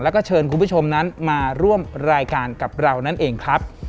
แล้วก็เชิญคุณผู้ชมนั้นมาร่วมรายการกับเรานั่นเองครับ